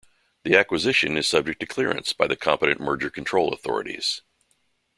The acquisition is subject to clearance by the competent merger control authorities.